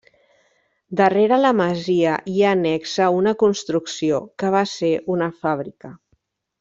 Darrere la masia hi ha annexa una construcció que va ser una fàbrica.